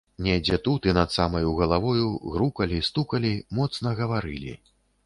Недзе тут і над самаю галавою грукалі, стукалі, моцна гаварылі.